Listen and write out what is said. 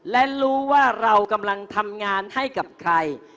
และรู้ว่าเรากำลังทำงานให้กับใคร